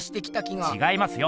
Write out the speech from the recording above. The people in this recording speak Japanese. ちがいますよ。